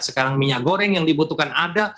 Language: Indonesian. sekarang minyak goreng yang dibutuhkan ada